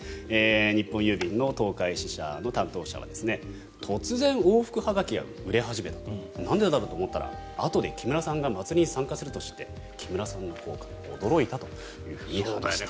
日本郵便の東海支社の担当者は突然、往復はがきが売れ始めたなんでだろうと思ったらあとで木村さんがまつりに参加すると聞いて木村さんの効果に驚いたと話していました。